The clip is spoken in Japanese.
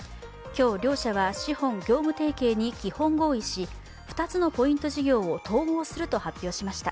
今日、両社は資本・業務提携に基本合意し、２つのポイント事業を統合すると発表しました。